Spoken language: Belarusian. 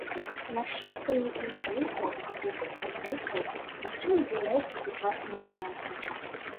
Нашчадкамі ілірыйцаў або фракійцаў магчыма з'яўляюцца сучасныя албанцы.